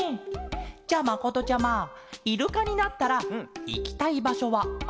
じゃまことちゃまイルカになったらいきたいばしょはあるケロ？